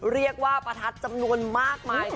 เรียกว่าประทัดจำนวนมากมาย